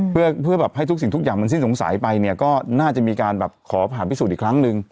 เพื่อแบบให้ทุกสิ่งทุกอย่างมันสิ้นสงสัยไปเนี่ยก็น่าจะมีการแบบขอผ่านพิสูจน์อีกครั้งหนึ่ง